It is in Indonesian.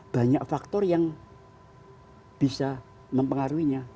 banyak faktor yang bisa mempengaruhinya